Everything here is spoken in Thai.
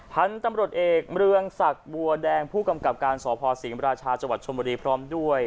พันธุ์ตำรวจเอกเมืองศักดิ์บัวแดงผู้กำกับการสพศรีมราชาจังหวัดชนบุรีพร้อมด้วย